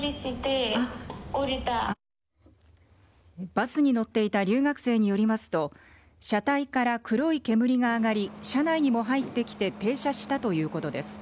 バスに乗っていた留学生によりますと車体から黒い煙が上がり車内にも入ってきて停車したということです。